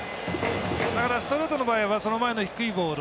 だからストレートの場合はその前の低いボール